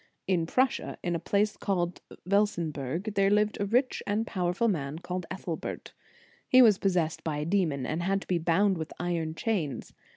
In Prussia, in a place called Velsenberg, there lived a rich and pow erful man called Ethelbert. He was pos sessed by a demon, and had to be bound with iron chains.